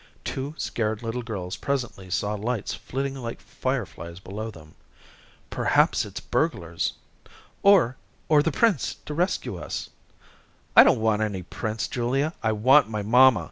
Two scared little girls presently saw lights flitting like fireflies below them. "Perhaps it's burglars." "Or or the Prince to rescue us." "I don't want any Prince; Julia. I want my mamma.